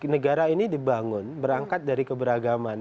negara ini dibangun berangkat dari keberagaman